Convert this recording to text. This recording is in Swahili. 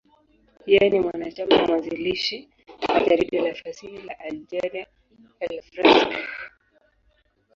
Yeye ni mwanachama mwanzilishi wa jarida la fasihi la Algeria, L'Ivrescq.